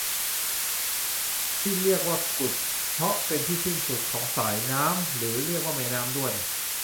ที่เรียกว่ากุดเพราะเป็นที่สิ้นสุดของสายน้ำหรือเรียกว่าแม่น้ำด้วน